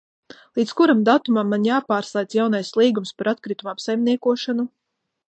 Līdz kuram datumam man jāpārslēdz jaunais līgums par atkritumu apsaimniekošanu?